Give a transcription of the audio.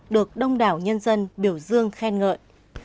được đông đảo nhân dân biểu dương khen ngợi